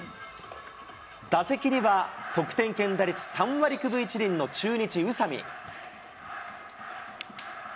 打席には得点圏打率３割９分１厘の中日、宇佐見。